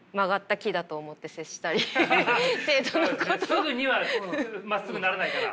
すぐにはまっすぐにならないから。